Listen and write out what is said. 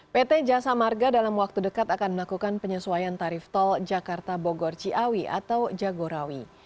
pt jasa marga dalam waktu dekat akan melakukan penyesuaian tarif tol jakarta bogor ciawi atau jagorawi